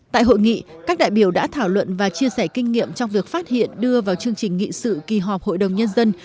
tại hội nghị các đại biểu đã thảo luận và chia sẻ kinh nghiệm trong việc phát hiện đưa vào chương trình nghị sự kỳ họp hội đồng nhân dân